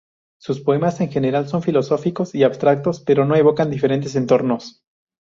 Sus poemas en general son filosóficos y abstractos, pero evocan diferentes entornos.